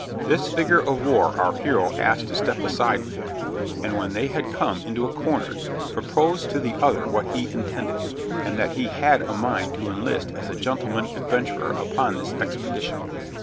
This figure of war our hero asked to step aside with him, and when they had come into a corner, proposed to the other what he intended, and that he had a mind to enlist as a gentleman adventurer upon this expedition.